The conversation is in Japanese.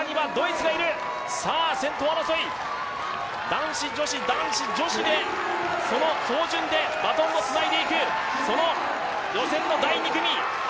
男子女子、男子女子の走順でバトンをつないでいく、その予選の第２組。